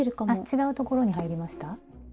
違うところに入りました？